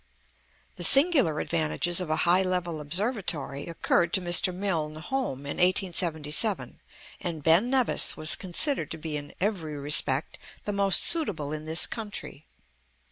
The singular advantages of a high level observatory occurred to Mr. Milne Home in 1877; and Ben Nevis was considered to be in every respect the most suitable in this country.